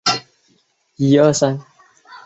八公山下也是豆腐的发源地。